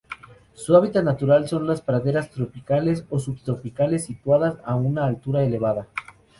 Su hábitat natural son las praderas tropicales o subtropicales situadas a una altura elevada.